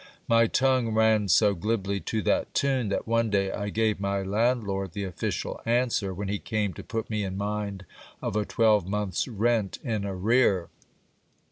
My tongue ran so glibly to that tune, that one day I gave my landlord the official answer, when he came to put me in mind of a twelvemonth's rent in arrear.